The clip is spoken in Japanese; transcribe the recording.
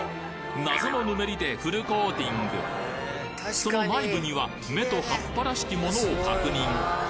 謎のぬめりでフルコーティングその内部には芽と葉っぱらしきものを確認